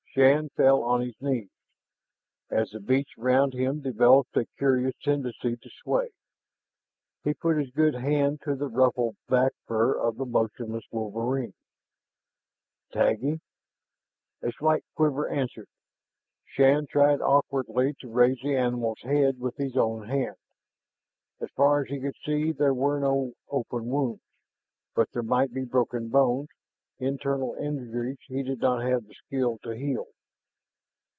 Shann fell on his knees, as the beach around him developed a curious tendency to sway. He put his good hand to the ruffled back fur of the motionless wolverine. "Taggi!" A slight quiver answered. Shann tried awkwardly to raise the animal's head with his own hand. As far as he could see, there were no open wounds; but there might be broken bones, internal injuries he did not have the skill to heal.